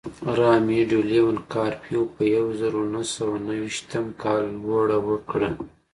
رامیرو ډي لیون کارپیو په یوه زرو نهه سوه نهه ویشتم کال لوړه وکړه.